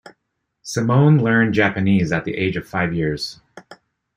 Simone learned Japanese at the age of five years.